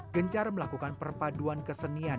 gencar melakukan perpaduan kesenian